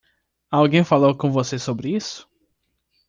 Alguém falou com você sobre isso?